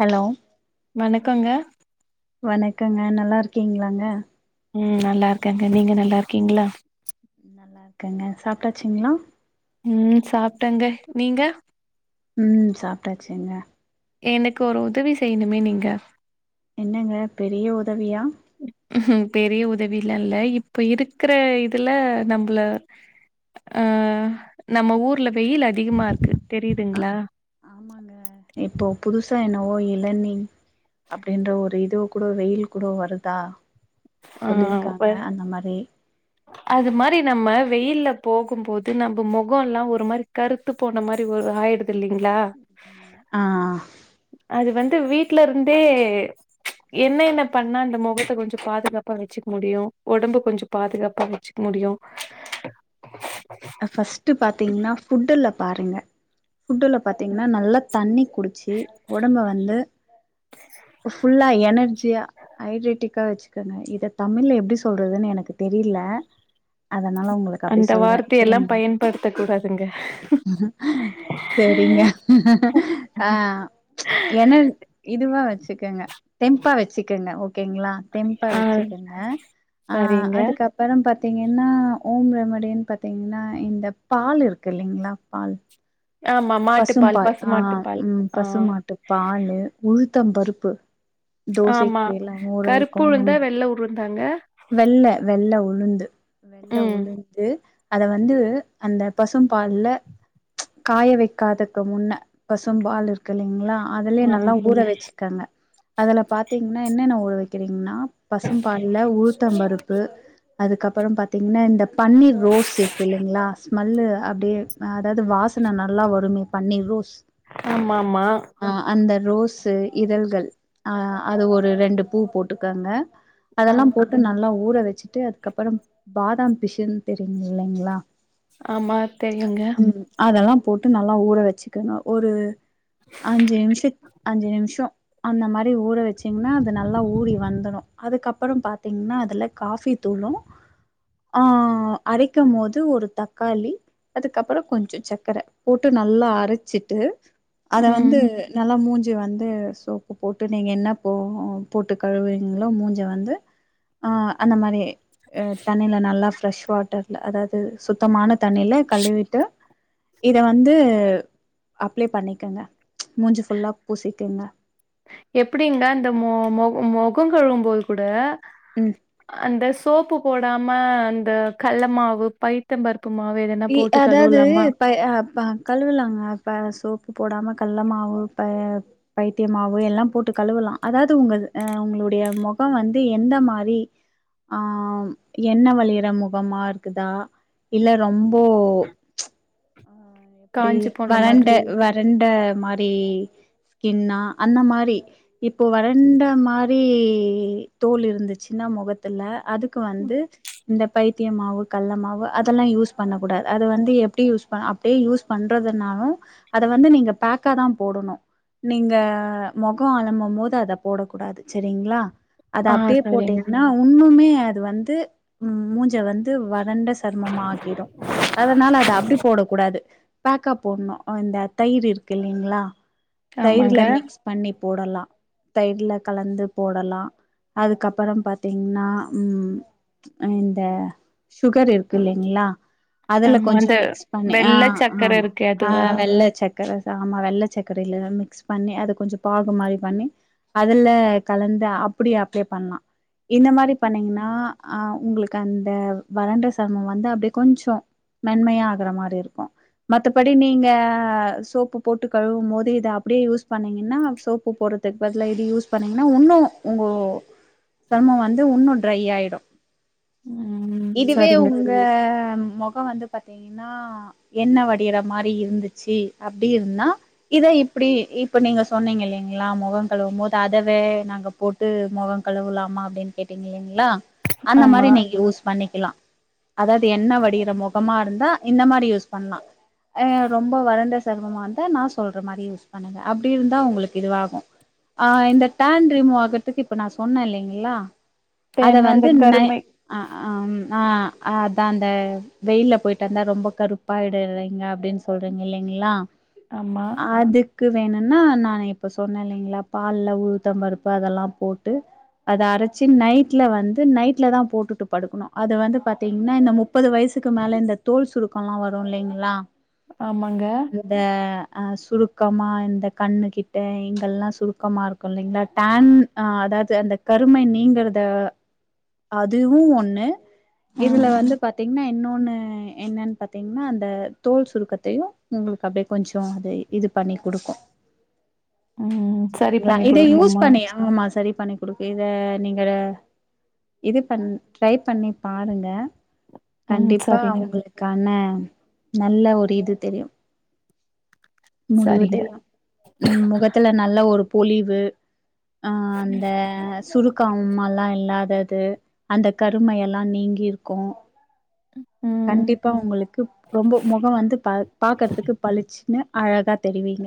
Hello வணக்கங்க வணக்கங்க நல்லா இருக்கீங்ளாங்க ம் நல்லா இருக்கங்க நீங்க நல்லா இருக்கீங்ளா நல்லா இருக்கங்க சாப்ட்டாச்சுங்ளா ம் சாப்டங்க நீங்க ம் சாப்ட்டாச்சுங்க எனக்கு ஒரு உதவி செய்ணுமே நீங்க என்னங்க பெரிய உதவியா பெரிய உதவிலா இல்ல இப்ப இருக்கற இதுல நம்பள ஆ நம்ம ஊர்ல வெயில் அதிகமா இருக்கு அ தெரியுதுங்ளா ஆமாங்க இப்போ புதுசா என்னவோ இளநி அப்டின்ற ஒரு இதோ கூட வெயில் கூடோ வருதா ஆ சொல்லிருக்காங்க அந்த மாரி அது மாரி டெம்பரேச்சர் நம்ம வெயில்ல போகும்போது நம்ம மொகோ எல்லா ஒரு மாரி கருத்து போன மாரி ஒரு ஆயிடுது இல்லிங்ளா ம் ஆ அது வந்து வீட்ல இருந்தே என்னென்ன பண்ணா அந்த மொகத்த கொஞ்சோ பாதுகாப்பா வெச்சுக்க முடியு ஒடம்பு கொஞ்சோ பாதுகாப்பா வெச்சுக்க முடியு [inaudible] ஃபஸ்ட்டு பாத்தீங்கன்னா ஃபுட்டுல பாருங்க ஃபுட்டுல பாத்தீங்கன்னா நல்லா தண்ணி குடிச்சி ஒடம்ப வந்து ஃபுல்லா எனர்ஜியா ஹைட்ரேட்டிக் க்க வெச்சுக்கங்க இத தமிழ்ல எப்டி சொல்றதுன்னு எனக்கு தெரில அதனால உங்களுக்கு அப்டி அந்த சொல்ற வார்த்தையெல்லா செரிங்க பயன்படுத்தக் கூடாதுங்க செரிங்க அ என்ன இதுவா வச்சுக்கங்க தெம்பா வச்சுக்கங்க ஓகேங்ளா தெம்பா ஆ வச்சுக்கங்க ஆ சரிங்க அதுக்கப் அப்பறம் பாத்தீங்கன்னா ஹோம் ரெமடினு பாத்தீங்கன்னா இந்த பால் இருக்கு இல்லைங்ளா பால் ஆமாமா பசும் பால் ஆ ம் பசு மாட்டு பாலு உளுத்தம் பருப்பு ஆமா தோசைக்கில்லா ஊற கருப்பு வைக்குல்ல உளுந்தா வெள்ள உருந்தாங்க வெள்ள வெள்ள உளுந்து வெள்ள ம் உளுந்து அத வந்து அந்த பசும் பால்ல காய வெக்காதக்கு முன்ன பசும்பால்ரு கில்லைங்ளா அதுலே ஆமா நல்லா ஊற வச்சிக்கங்க அதுல பாத்தீங்னா என்னென்ன ஊற வெக்றீங்ன்னா பசும் பால்ல உளுத்தம்பருப்பு அதுக்கப்புறோ பாத்தீங்கன்னா இந்த பன்னீர் ரோஸ் இருக்கு இல்லைங்ளா ஸ்மெல்லு அப்டியே அதாது வாசன நல்லா வருமே பன்னீர் ரோஸ் ஆமாமா ஆ அந்த ரோசு இதழ்கள் அ அது ஒரு ரெண்டு பூ போட்டுக்கங்க ஆ அதெல்லா போட்டு நல்லா ஊற வச்சுட்டு அதுக்கப்பறம் பாதாம் பிஷன் தெரியுங்ளங்களா ஆமா தெரியுங்க ம் அதெல்லா போட்டு நல்லா ஊற வச்சுகங்க ஒரு அஞ்சே நிமிஷ அஞ்சு நிமிஷோ அந்த மாரி ஊற வச்சிங்கன்னா அது நல்லா ஊரி வந்துரு அதுக்கப்புறோ பாத் தீங்கனா அதுல காஃபி தூளு ஆ அரைக்கம் போது ஒரு தக்காளி அதுக்கப்பறோ கொஞ்சோ சக்கர போட்டு நல்லா அரச்சிட்டு அத ம் வந்து நல்லா மூஞ்ச வந்து சோப்பு போட்டு நீங்க என்ன போ போட்டு கழுவீங்களோ மூஞ்ச வந்து ஆ அந்த மாரி அ தண்ணில நல்லா ஃப்ரெஷ் வாட்டர்ல அதாது டு சுத்தமான தண்ணில கழுவிட்டு இத வந்து அப்ளை பண்ணிக்கங்க மூஞ்சு ஃபுல்லா பூசிக்கங்க எப்டிங்னா இந்த மொ மொ மொகோ கழுவும்போது கூட ம் அந்த சோப்பு போடாம அந்த கள்ள மாவு பயித் த்தம்பருப்பு மாவு எது இ அதாது பை அ ப கழுவுலாங்க இப்ப சோப்பு போடாம கள்ள மாவு ப பயித்தே மாவு எல்லா போட்டு கழுவலா அதாது உங்க அ உங்களுடைய முகோ வந்து எந்த மாரி ஆம் எண்ணெ வழியிற முகமா இருக்குதா இல்ல ரொம்போ எப்டி காஞ்சு போன வறண்ட மாதிரி வறண்ட மாரி ஸ்கின்னா அந்த மாரி இப்போ வறண்ட மாரி தோல் இருந்துச்சின்னா முகத்துல அதுக்கு ம். வந்து இந்த பைத்திய மாவு கள்ள மாவு அதெல்லா யூஸ் பண்ணக்கூடா அது வந்து எப்டி யூஸ் பண் அப்டியே யூஸ் பண்றதுனாலு அத வந்து நீங்க பக்காதா போடனு நீங்க மொகோ அலம்பும் போது அத போட கூடாது சரிங்ளா அது ஆ அப்டியே சரிங்க போட்டீங்கன்னா உன்னுமே அது வந்து மூஞ்ச வந்து வறண்ட சர்மமா ஆக்கிடு அதனால அத அப்டி போடக் கூடாது பக்கா போட்ணு இந்த தயிர் இருக்கு இல்லைங்ளா தயிர்ல ஆமாங்க மிக்ஸ் பண்ணி போடலா தைடுல கலந்து போடலா அதுக்கப்பறோ பாத்தீங்னா ம் அ இந்த சுகர் இருக்கில்லீங்ளா அதுல ஆமா கொஞ்சோ அந்த மிக்ஸ் பண்ணி ஆ வெள்ள சக்கர ஆமா இருக்கே ஆ அதுவா? வெள் ள சக்கர ஆமா வெள்ள சக்கரைல மிக்ஸ் பண்ணி அத கொஞ்சோ பாகு மாரி பண்ணி அதுல கலந்து அப்டியே அப்ளை பண்லா இந்த மாரி பண்ணீங்கனா அ உங்களுக்கு அந்த வறண்ட சருமோ வந்து அப்டியே கொஞ்சோ மென்மையா ஆகற மாரி இருக்கு மத்தபடி நீங்க சோப்பு போட்டு கழுவும்போது இத அப்டியே யூஸ் பண்ணீங்கனா சோப் உப்பு போறதுக்கு பதிலா இத யூஸ் பண்ணீங்கனா இன்னு உங்க சருமோ வந்து இன்னு ட்ரை ஆயிடு ம் இதுவே சரிங்க ச உங்க மொகோ வந்து பாத்தீங்கனா எண்ணெ வ டிர மாரி இருந்துச்சு அப்டி இருந்தா இத இப்டி இப்ப நீங்க சொன்னீங்க இல்லைங்ளா மொகோ கழுவும்போது அதவே நாங்க போ து மொகோ கழுவலாமா அப்டின்னு கேட்டீங்க இல்லீங்ளா அந்த ஆமா மாரி நீங்க யூஸ் பண்ணிக்கலா அதாவது என்ன வடியற முகமா இருந்தா இந்த மாரி யூஸ் பண்லா அ ரொம்ப வறண்ட சருமமா இருந்தா நா சொல்ற மாரி யூஸ் பண்ணுங்க அப்டி இருந்தா உங்களுக்கு இதுவாகு ஆ இந்த டேன் ரிமூவ் ஆகுறதுக்கு இப்ப நா சொன்ன இல்லீங்ளா அத தென்ன இந்த வந்து நை கருமை ஆ ஆ அ அ அதா அந்த வெயில்ல போய்ட்டு வந்தா ரொம்ப கருப்பாயிடு இல்லீங்ளா அப்டின்னு சொல்றீங்க இல்லீங்ளா ஆமா அது க்கு வேணுனா நா இப்ப சொன்ன இல்லீங்ளா பால்ல உளுத்தம் பருப்பு அதெல்லாம் போட்டு அத அரச்சு நைட்ல வந்து நைட்லதா போட்டுட்டு படுக்கணு அது வந்து பாத்தீங்னா இந்த மு ப்பது வயசுக்கு மேல இந்த தோல் சுருக்கோல்லா வரு இல்லீங்ளா ஆமாங்க இந்த அ சுருக்கமா இந்த கண்ணு கிட்ட இங்கல்லா சுருக்கமா இருக்கு இல்லீங்ளா டேன் அ அதாவது அந்த கருமை நீங்கறத அதுவு ஒண்ணு ம் இதுல வந்து பாத்தீங்னா இன்னொன்னு என்னனு பாத்தீங்னா அந்த தோல் சுரு க்கத்தயு உங்களுக்கு அப்டியே கொஞ்சோ அது இது பண்ணி குடுக்கு ம் சரி செரிங்ளா பண்ணி இத யூஸ் குடுக்குமா? பண்ணி ஆமா சரி பண்ணி குடுக்கு இத நீங்க இது பண் ட்ரை பண்ணி பாருங்க ம் கண்டிப்பா சரிங்க உங்களுக்கான நல்ல ஒரு இது தெரியு முடிவு சரிங்க. தெரியு ம் முகத்துல நல்லா ஒரு பொலிவு ஆ அந்த சுரு க்கம்மல்லா இல்லாதது அந்த கருமையெல்லா நீங்கிருக்கு ம் கண்டிப்பா உங்களுக்கு ரொம்ப முகம் வந்து பா பாக்கறதுக்கு பளிச்சுனு அழகா தெரிவீங்க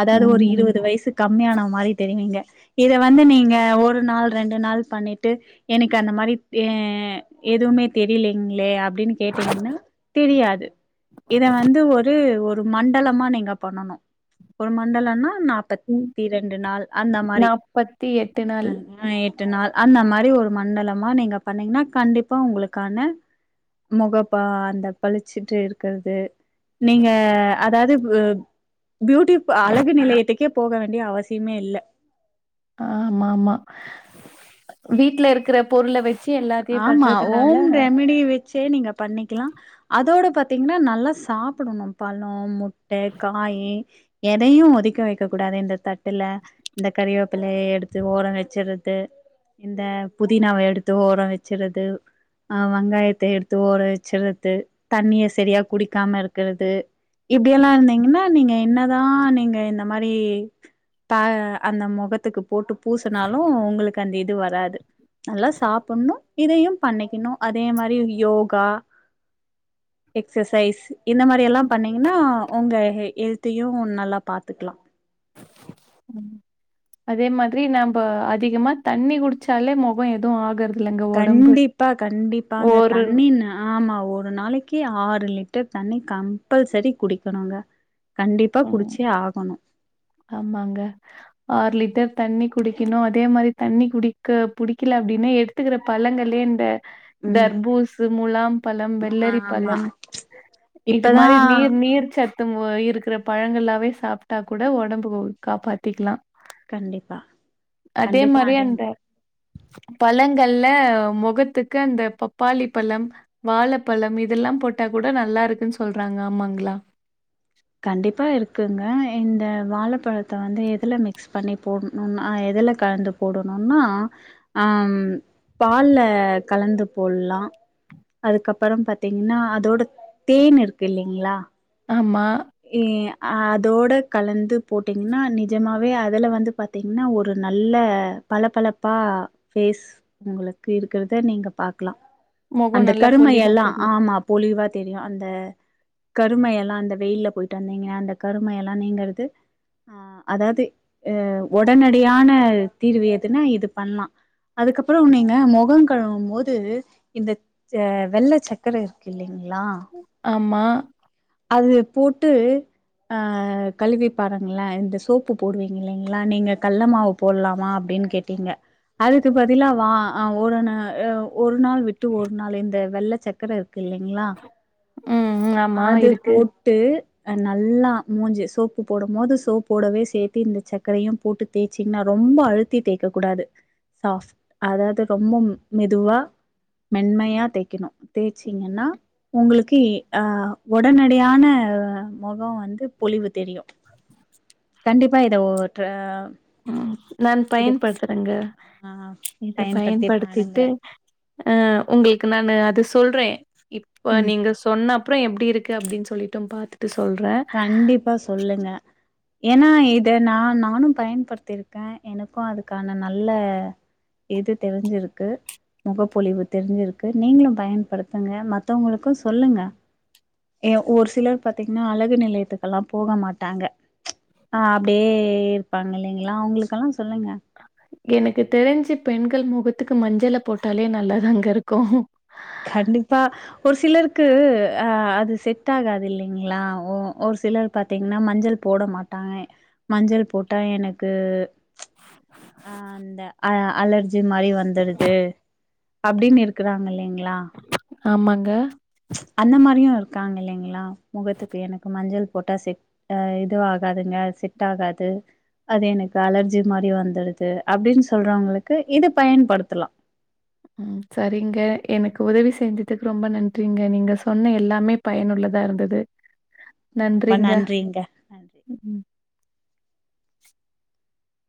அதாவது ஒரு ம் இருவது வயசு கம்மியான மாரி தெரிவீங்க இத வந்து நீங்க ஒரு நாள் ரெண்டு நாள் பண்ணிட்டு எனக்கு அந்த மாரி அ எதுமே தெரிலிங்களே அப்டினு கேட்டீங்னா தெரியாது இத வந்து ஒரு ஒரு மண்டலமா நீங் க பண்ணணு ஒரு மண்டலனா நா ம் ப்பத்திரெண்டு நாள் அந்த மாரி நாள் உ எட்டு நாள் அந்த மாரி ஒரு மண்டலமா நீங்க பண்ணீங்னா கண்டிப்பா உங்களுக்கான முக பா அந்த பளுச்சுட்டு இருக்கறது நீங்க அதாவது பியூட்டி அழகு நிலையத்துக்கே போக வேண்டிய அவசியமே இல்ல ஆமாம்மா வீட்ல இருக்குற பொருள வெச் ஆமா ஓன் ரெமிடி வித் சே நீங்க பண்ணிக்கலா அதோட பத்தீங்னா நல்லா சாப்புடணு பழ மு முட்ட காயி எதையு ஒதிக்க வெக்க கூடாது இந்த தட்டுல இந்த கறிவேப்பிலைய எடுத்து ஓர வெச்சிர்றது இந்த புதினாவ எடுத் து ஓர வெச்சிர்றது ஆ வெங்காயத்த எடுத்து ஓர வெச்சிர்றது தண்ணிய செரியா குடிக்காம இருக்கிறது இப்டியெல்லா இருந்தீங்கனா நீங்க என்னதா நீங்க இந்த மாரி பா அந்த மொகத்துக்கு போட்டு பூசுனாலு ஒங்களுக்கு அந்த இது வராது நல்லா சாப் புட்ணு இதையு பண்ணிக்கணு அதே மாரி யோகா எக்ஸசைஸ் இந்த மாரியெல்லா பண்ணிங்கனா ஒங்க ஹெ ஹெல்த்தையு நல்லா பாத்துக்லா ம் அதே மாதிரி நம்ப அதிகமா தண்ணி குடிச்சாலே மொக எது ஆகற் கண்டிப்பா கண்டிப்பாங்க அந்த ஒரு தண்ணி நா ஆமா ஒரு நாளைக்கு ஆறு லிட்டர் தண்ணி கம்பல்செரி குடிக்கணுங்க கண்டிப்பா ம் குடிச்சே ஆகணு ஆமாங்க ஆறு லிட்டர் தண்ணி குடிக்கணு அதே மாரி தண்ணி குடிக்க புடிக்கல அப்டினா எடுத் த்துக்குற பழங்களே இந்த ம் தர்பூசு முலாம் பழம் வெள்ளரிப் ஆமா பழம் இது இப்பதா மாரி நீர் நீர் சத் த்துமா இருக்கிற பழங்களாவே சாப்ட்டா கூட ஒடம்பு காப்பாத்திக்லா கண்டிப்பா கண்டிப்பா மாரி அதையும் அந்த பழங்கள்ல மொகத்துக்கு அந்த பப்பாளி பழம் வாழப்பழம் இதெல்லா போட்டா கூட நல்லா இருக்குன் சொல்றாங்க ஆமாங்ளா கண்டிப்பா இருக்குங்க இந்த வாழப்பழத்த வந்து எதுல மிக்ஸ் பண்ணி போட்ணுன் ஆ எதுல கலந்து போடணுன்னா ஆம் பால்ல கலந்து போட்லா அதுக்கப்பறம் பாத்தீங்னா அதோட தேன் இருக்கு இல்லைங்ளா ஆமா இ அதோட கலந்து போட்டீங்னா நிஜமாவே அதுல வந்து பாத் தீங்னா ஒரு நல்ல பள பளப்பா ஃபேஸ் உங்களுக்கு இருக்கிறத நீங்க பாக்கலா முகோ அந்த நல்லா பொலிவா கருமையெல்லா தெரியு ஆமா பொழிவா தெரியு அந்த கருமையெல்லா அந்த வெயில்ல போய்ட்டு வந்தீங்க அந்த கருமையெல்லா நீங்கறது அதாவ்து அ ஒடனடியான தீர்வு எதுனா இது பண்ணா அதுக்கப்பறோ நீங்க மொகங் கழுவும் போது இந்த ச வெள்ளச் சக்கர இருக்கு இல்லைங்ளா ஆமா அது போட்டு ஆ கழுவி பாருங்ளே இந்த சோப்பு போடுவீங்க இல்லைங்ளா நீங்க கட்ல மாவு போட்லாமா அப்டின் கேட் டீங்க அதுக்கு பதிலா வா அ ஒரு நா எவ் ஒரு நாள் விட்டு ஒரு நாள் இந்த வெள்ளச் சக்கர இருக் க்கு இல்லைங்ளா ம் ம், ஆமா அத இருக்கு போட்டு அ நல்லா மூஞ்சிய சோப்பு போடும் போது சோப்போடவே சேத்து இந்த சக்கரையும் போட்டு தேச்சீங்னா ரொம்ப அழுத்தி தேக்க கூடாது சாஸ் அதாவது ரொம்ப ம் மெதுவா மென்மையா தேய்க்கணு தேச்சிங்கன்னா உங்களுக்கு அ உடனடியான அ மொகோ வந்து பொலிவு தெரியு கண்டிப்பா இத ஒ அ ம் நான் பயன்படுத்துறங்க ஆ இத பயன்படுத்தி பாருங்க பயன்படுத்திட்டு அ உங்களுக்கு நான்னு அத சொல்ற இப்ப ம் நீங்க சொ சொன்ன அப்றோ எப்டி இருக்கு அப்டின்னு சொல்லிட்டு பாத்துட்டு சொல்ற கண்டிப்பா சொல்லுங்க ஏன்னா இத நா நானு பயன்படுத்திருக்க எனக்கு அதுக்கான நல்ல இது தெரிஞ்சிருக்கு முகப்பொலிவு தெரிஞ்சுருக்கு நீங்களும் பயன்படுத்துங்க மத்தவங்களுக்கு சொல்லுங்க ஏ ஒரு சிலர் பாத்தீங்கன்னா அழ கு நிலையத்துக்குல்லா போக மாட்டாங்க ஆ அப்டே இப்பாங்க இல்லைங்களா அவுங்களுக்கெல்லா சொல்லுங்க எனக்கு தெரிஞ்சு பெண்கள் முகத்துக்கு மஞ்சள போட்டாலே நல்லாதாங்க இருக்கு கண்டிப்பா ஒரு சிலருக்கு அ அது செட் ஆகாது இல்லைங்களா ஒ ஒரு சிலர் பாத்தீங்கன்னா மஞ்சள் போட மாட்டாங்க மஞ்சள் போட்டா எனக்கு [inaudible] அ அந்த அ அலர்ஜி மாரி வந்துடுது அப்டின்னு இருக்குறாங்க இல்லைங்களா ஆமாங்க அந்த மாரியு இருக்காங்க இல்லைங்களா முகத்துக்கு எனக்கு மஞ்சள் போட்டா செ அ இதுவு ஆகாதுங்க செட் ஆகாது அது எனக்கு‌ அலர்ஜி மாரி வந் துடுது அப்டின்னு சொல்றவுங்களுக்கு இது பயன்படுத்தலா ம் சரிங்க எனக்கு உதவி செஞ்சதுக்கு ரொம்ப நன்றிங்க நீங்க சொன்ன எல்லாமே பயனுள்ளாத இருந்தது ரொம்ப நன்றிங்க நன்றி ம்